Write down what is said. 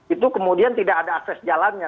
itu kemudian tidak ada akses jalannya